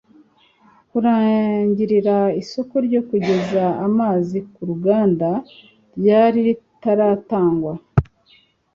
kurangirira isoko ryo kugeza amazi ku ruganda ryari ritaratangwa